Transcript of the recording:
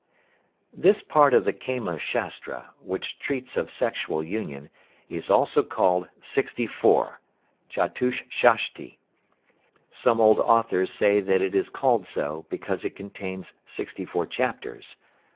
This part of the Kama Shastra, which treats of sexual union, is also called "Sixty four" (Chatushshashti). Some old authors say that it is called so, because it contains sixty four chapters.